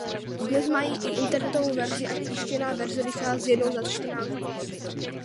Dnes mají i internetovou verzi a tištěná verze vychází jednou za čtrnáct dní.